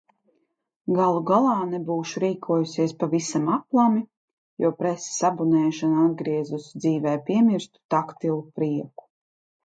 Galu galā nebūšu rīkojusies pavisam aplami, jo preses abonēšana atgriezusi dzīvē piemirstu taktilu prieku.